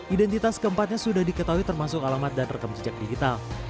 identitas keempatnya sudah diketahui termasuk alamat dan rekam jejak digital